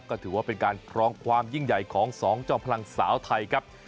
ก็ถือว่าเป็นการครองความยิ่งใหญ่ของสองจอมพลังสาวไทยครับ